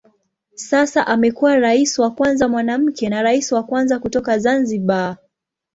Sasa amekuwa rais wa kwanza mwanamke na rais wa kwanza kutoka Zanzibar.